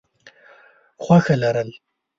خوښه لرل: